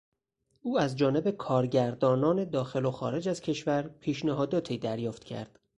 او از جانب کارگردانان داخلو خارج از کشور پیشنهاداتی دریافت کرد.